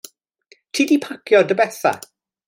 Ti 'di pacio dy betha?